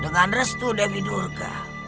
dengan restu dewi durga